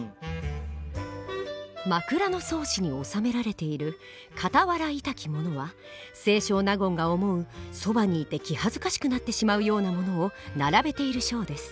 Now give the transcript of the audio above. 「枕草子」に収められている「かたはらいたきもの」は清少納言が思うそばにいて気はずかしくなってしまうようなものを並べている章です。